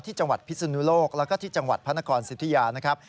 ที่จังหวัดพิสุนุโลกและก็ที่จังหวัดพศิภิยานะครับ